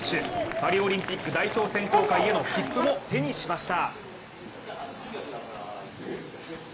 パリオリンピック代表選考会への切符も手にしました。